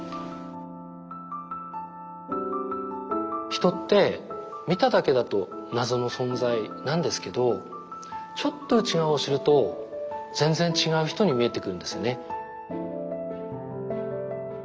人って見ただけだと謎の存在なんですけどちょっと内側を知ると全然違う人に見えてくるんですよね。